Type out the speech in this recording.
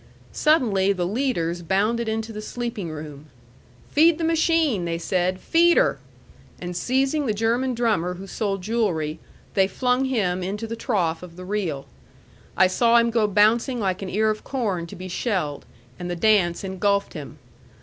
Suddenly the leaders bounded into the sleeping room. "Feed the machine!" they said. "Feed her!" And seizing the German drummer who sold jewellery, they flung him into the trough of the reel. I saw him go bouncing like an ear of corn to be shelled, and the dance ingulfed him.